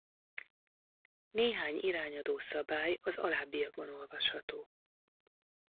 Néhány irányadó szabály az alábbiakban olvasható.